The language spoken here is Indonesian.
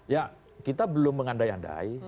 ya kita belum mengandai andai